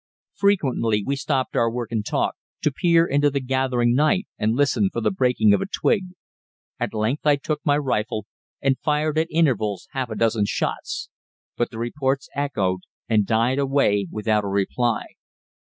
Frequently we stopped our work and talk, to peer into the gathering night and listen for the breaking of a twig. At length I took my rifle and fired at intervals half a dozen shots; but the reports echoed and died away without a reply.